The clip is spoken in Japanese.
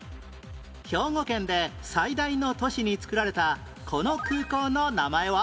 兵庫県で最大の都市に造られたこの空港の名前は？